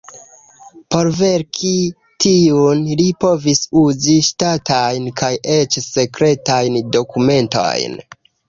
Por verki tiun, li povis uzi ŝtatajn kaj eĉ sekretajn dokumentojn.